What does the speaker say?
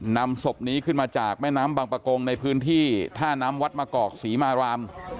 นำศพนี้ขึ้นมาจากแม่น้ำบางประกงในพื้นที่ท่าน้ำวัดมะกอกศรีมาราม